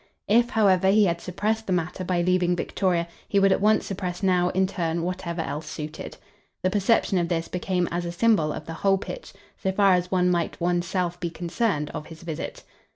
If, however, he had suppressed the matter by leaving Victoria he would at once suppress now, in turn, whatever else suited. The perception of this became as a symbol of the whole pitch, so far as one might one's self be concerned, of his visit.